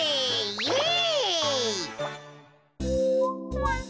イエイ！